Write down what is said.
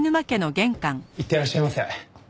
いってらっしゃいませ。